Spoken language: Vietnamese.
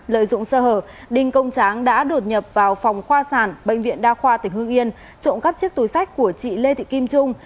lợi dụng sơ hở đinh công tráng đã đột nhập vào phòng khoa sản bệnh viện đa khoa tp hưng yên trộm cấp chiếc túi sách của chị lê thị kim trung